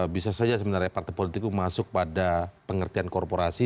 bisa saja sebenarnya partai politik itu masuk pada pengertian korporasi